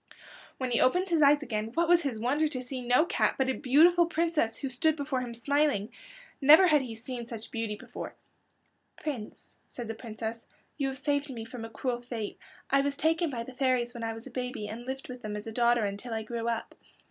When he opened his eyes again what was his wonder to see no cat, but a beautiful princess who stood before him smiling. Never had he seen such beauty before. "Prince," said the Princess, "you have saved me from a cruel fate. I was taken by the fairies when I was a baby and lived with them as a daughter until I grew up.